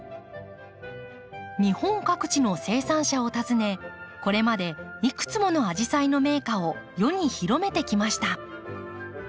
日本各地の生産者を訪ねこれまでいくつものアジサイの名花を世に広めてきました。